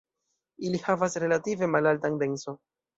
Ili havas relative malaltan denso.